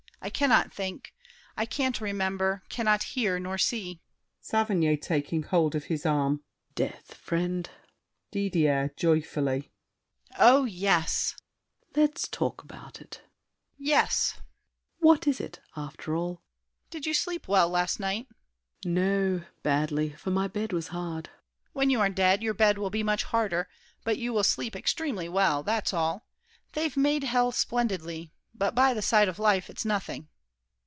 I cannot think: I can't remember, cannot hear nor see! SAVERNY (taking hold of his arm). Death, friend! DIDIER (joyfully). Oh, yes! SAVERNY. Let's talk about it. DIDIER. Yes! SAVERNY. What is it, after all? DIDIER. Did you sleep well Last night? SAVERNY. No, badly, for my bed was hard. DIDIER. When you are dead, your bed will be much harder, But you will sleep extremely well—that's all. They've made hell splendidly; but by the side Of life, it's nothing.